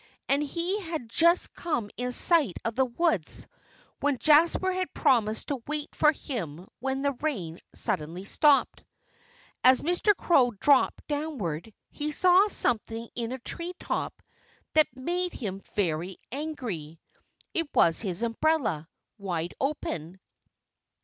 And he had just come in sight of the woods where Jasper had promised to wait for him when the rain suddenly stopped. As Mr. Crow dropped downward he saw something in a tree top that made him very angry. It was his umbrella, wide open.